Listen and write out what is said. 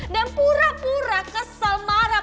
dan pura pura kesel marah